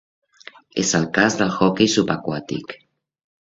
És el cas de l'hoquei subaquàtic.